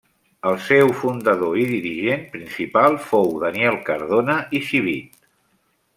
El seu fundador i dirigent principal fou Daniel Cardona i Civit.